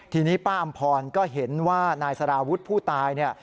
ทีนี้ป้าอำพรก็เห็นว่านายสารวุฒิผู้ตายเนี่ย